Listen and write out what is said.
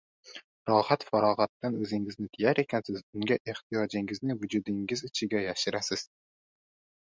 Rohat-farog‘atdan o‘zingizni tiyar ekansiz, unga ehtiyojingizni vujudingiz ichiga yashirasiz.